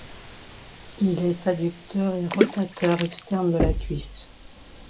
Il est adducteur et rotateur externe de la cuisse.